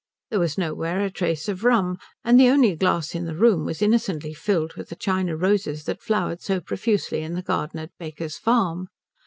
There was nowhere a trace of rum, and the only glass in the room was innocently filled with the china roses that flowered so profusely in the garden at Baker's Farm.